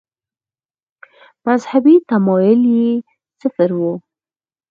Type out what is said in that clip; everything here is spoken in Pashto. مذهبي تمایل یې صفر و.